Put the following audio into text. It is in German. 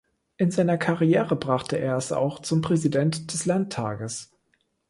In seiner Karriere brachte er es auch zum Präsident des Landtages.